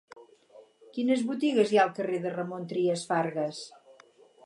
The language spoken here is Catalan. Quines botigues hi ha al carrer de Ramon Trias Fargas?